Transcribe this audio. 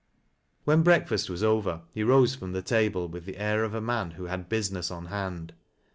When breakfast was over, he rose from the table witli the air of a man who had business on hand.